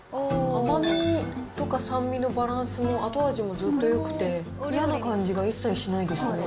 甘みとか酸味のバランスも後味もずっとよくて、嫌な感じが一切しないですね。